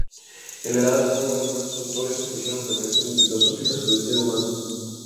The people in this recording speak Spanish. En la Edad antigua diversos autores ofrecieron reflexiones filosóficas sobre el ser humano.